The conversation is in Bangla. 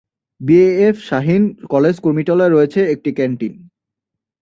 B A F Shaheen college কুর্মিটোলায় রয়েছে একটি ক্যান্টিন।